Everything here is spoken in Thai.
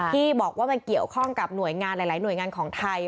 ที่บอกว่ามันเกี่ยวข้องกับหน่วยงานหลายหน่วยงานของไทย